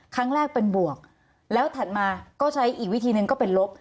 ครั้งแรกเป็นบวกแล้วถัดมาก็ใช้อีกวิธีหนึ่งก็เป็นลบ